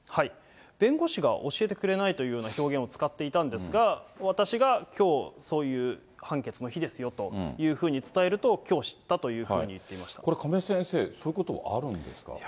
弁護士が教えてくれないというような表現を使っていたんですが、私がきょう、そういう判決の日ですよというふうに伝えると、きょう知ったといこれ、亀井先生、そういうことあるんですか。